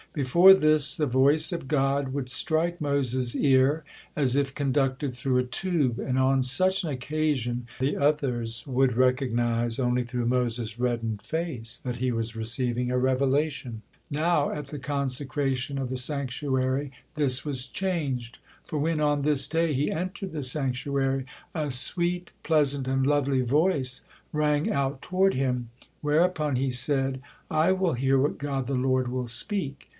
Before this, the voice of God would strike Moses' ear as if conducted through a tube, and on such an occasion the outer would recognized only through Moses' reddened face that he was receiving a revelation; now, at the consecration of the sanctuary, this was changed. For when, on this day, he entered the sanctuary, a sweet, pleasant and lovely voice rang out toward him, whereupon he said: "I will hear what God the Lord will speak."